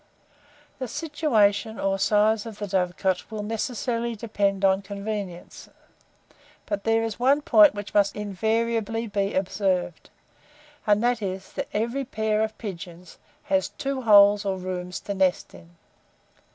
The situation or size of the dovecot will necessarily depend on convenience; but there is one point which must invariably be observed, and that is, that every pair of pigeons has two holes or rooms to nest in.